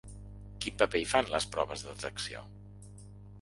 Quin paper hi fan, les proves de detecció?